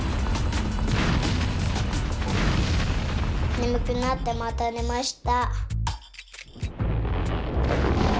ねむくなってまたねました。